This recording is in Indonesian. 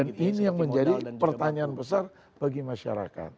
dan ini yang menjadi pertanyaan besar bagi masyarakat